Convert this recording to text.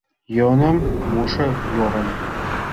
Йӧным мушо йӧрым